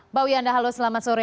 mbak wiyanda halo selamat sore